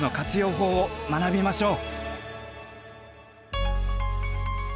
法を学びましょう！